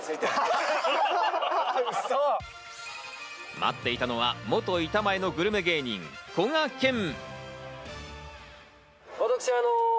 待っていたのは元板前のグルメ芸人・こがけん。